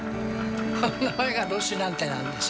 名前がロシナンテなんですよ。